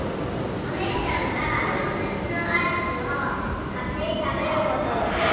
おねえちゃんがわたしのアイスをかってにたべることです。